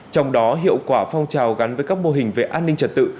trong đó hiệu quả phong trào gắn với các mô hình về an ninh trật tự